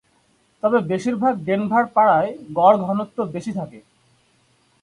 তবে বেশিরভাগ ডেনভার পাড়ায় গড় ঘনত্ব বেশি থাকে।